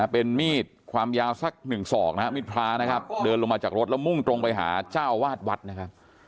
เป็นมีดความยาวสักหนึ่งศอกนะครับมีดพระนะครับเดินลงมาจากรถแล้วมุ่งตรงไปหาเจ้าวาดวัดนะครับ